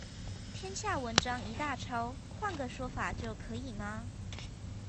天下文章一大抄，換個說法就可以嗎？